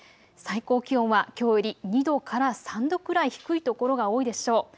最高気温はきょうより２度から３度くらい低いところが多いでしょう。